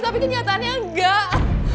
tapi kenyataannya enggak